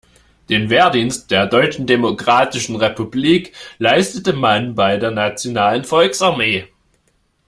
Den Wehrdienst der Deutschen Demokratischen Republik leistete man bei der nationalen Volksarmee.